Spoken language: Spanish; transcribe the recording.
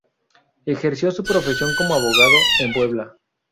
Ejerció su profesión como abogado en Puebla.